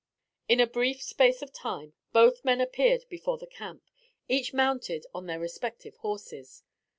In a brief space of time, both men appeared before the camp, each mounted on their respective horses.